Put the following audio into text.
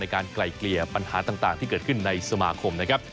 ไกลเกลี่ยปัญหาต่างที่เกิดขึ้นในสมาคมนะครับ